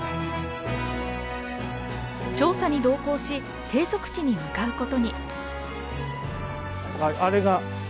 調査に同行し生息地に向かうことに。